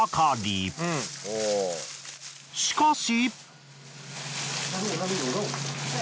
しかし。